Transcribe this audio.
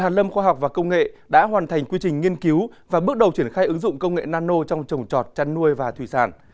hàn lâm khoa học và công nghệ đã hoàn thành quy trình nghiên cứu và bước đầu triển khai ứng dụng công nghệ nano trong trồng trọt chăn nuôi và thủy sản